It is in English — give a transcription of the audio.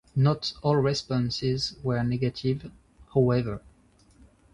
Not all responses were negative, however.